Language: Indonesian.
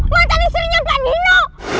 manten istrinya pak nino